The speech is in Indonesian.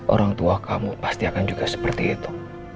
orang tua kamu pasti akan juga seperti itu